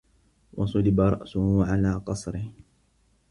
وَصُلِبَ رَأْسُهُ عَلَى قَصْرِهِ